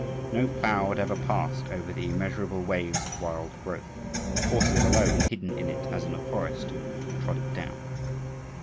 No plough had ever passed over the immeasurable waves of wild growth; horses alone, hidden in it as in a forest, trod it down.